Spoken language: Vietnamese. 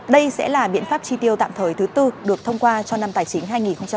đây sẽ là biện pháp chi tiêu tạm thời thứ tư được thông qua cho năm tài chính hai nghìn hai mươi